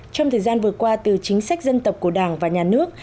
trong thời gian vừa qua từ chính sách dân tộc của đảng và nhà nước